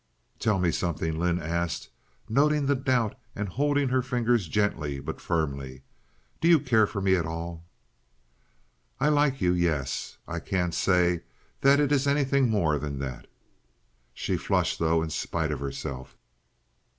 "Tell me something," Lynde asked, noting the doubt and holding her fingers gently but firmly, "do you care for me at all?" "I like you, yes. I can't say that it is anything more than that." She flushed, though, in spite of herself.